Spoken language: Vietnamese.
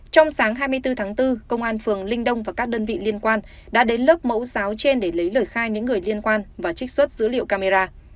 trong sáng hai mươi bốn tháng bốn công an phường linh đông và các đơn vị liên quan đã đến lớp mẫu giáo trên để lấy lời khai những người liên quan và trích xuất dữ liệu camera